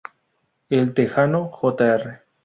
El Texano Jr.